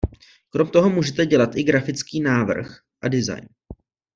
Krom toho můžete dělat i grafický návrh a design.